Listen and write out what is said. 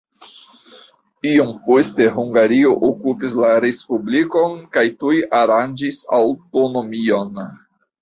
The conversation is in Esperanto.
Iom poste Hungario okupis la respublikon kaj tuj aranĝis aŭtonomion.